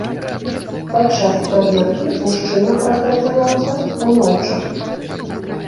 Падчас праверкі мужчына характарызаваўся станоўча.